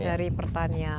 pdrb semuanya dari pertanian